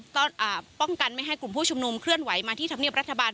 ก็ป้องกันไม่ให้กลุ่มผู้ชุมนุมเคลื่อนไหวมาที่ธรรมเนียบรัฐบาล